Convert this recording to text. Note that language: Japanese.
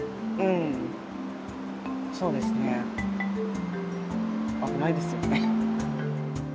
そうですね危ないですよね。